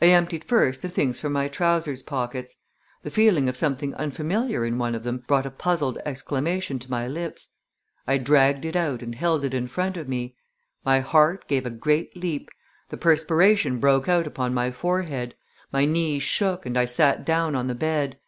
I emptied first the things from my trousers pockets. The feeling of something unfamiliar in one of them brought a puzzled exclamation to my lips. I dragged it out and held it in front of me. My heart gave a great leap, the perspiration broke out upon my forehead, My knees shook and I sat down on the bed.